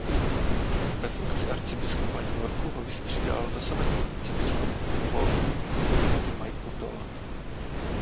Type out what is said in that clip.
Ve funkci arcibiskupa New Yorku ho vystřídal dosavadní arcibiskup Milwaukee Timothy Michael Dolan.